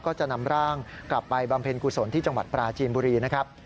ก็จะนำร่างกลับไปบำเพ็ญกุศลที่จังหวัดปราจีนบุรีนะครับ